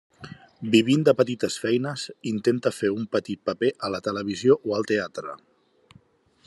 Vivint de petites feines, intenta fer un petit paper a la televisió o al teatre.